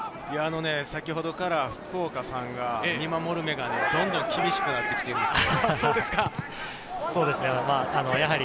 先ほどから福岡さんが見守る目がどんどん厳しくなってきているんですよ。